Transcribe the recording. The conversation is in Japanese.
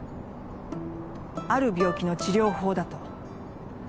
ある病気の治療法だと。